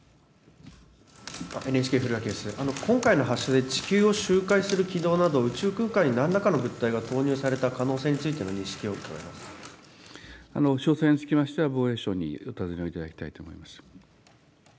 今回の発射で地球を周回する軌道など、宇宙空間になんらかの物体が投入された可能性についての認識を伺詳細につきましては、防衛省にお尋ねをいただきたいと思います。